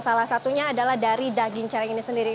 salah satunya adalah dari daging celeng ini sendiri